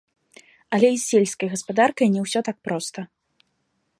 Але і з сельскай гаспадаркай не ўсё так проста.